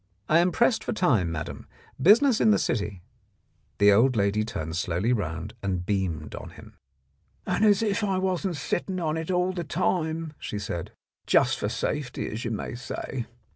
I am pressed for time, madam. Business in the city " The old lady turned slowly round and beamed on him. "And if I wasn't sitting on it all the time," she said, "just for safety, as you may say.